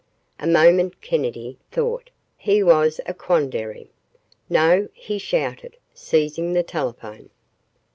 A moment Kennedy thought. Here was a quandary. "No," he shouted, seizing the telephone.